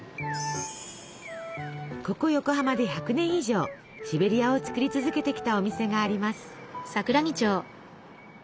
ここ横浜で１００年以上シベリアを作り続けてきたお店があります。